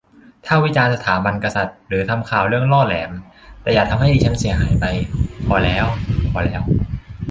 ถ้าวิจารณ์สถาบันกษัตริย์หรือทำข่าวเรื่องล่อแหลม แต่อย่าทำให้ดิฉันหายไป พอแล้ว พอแล้ว